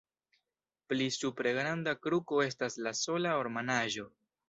Pli supre granda kruco estas la sola ornamaĵo.